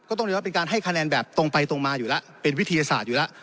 ต้องเรียกว่าเป็นการให้คะแนนแบบตรงไปตรงมาอยู่แล้วเป็นวิทยาศาสตร์อยู่แล้ว